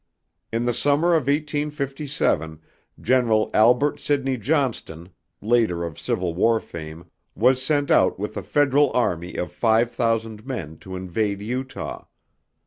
In the summer of 1857, General Albert Sidney Johnston, later of Civil War fame, was sent out with a Federal army of five thousand men to invade Utah.